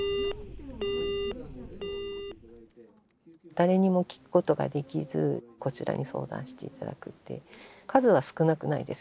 誰にも聞くことができずこちらに相談して頂くっていう数は少なくないです